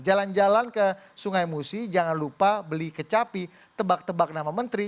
jalan jalan ke sungai musi jangan lupa beli kecapi tebak tebak nama menteri